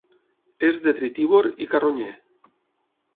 És detritívor i carronyer.